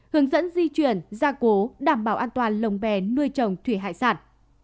hướng dẫn di chuyển gia cố đảm bảo an toàn lồng bè nuôi trồng thủy hải sản